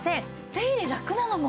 手入れラクなのも。